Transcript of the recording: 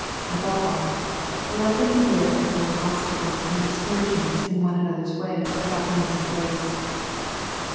Above all, let them beware of throwing obstacles and discouragements in one an<^ther's way about means of grace.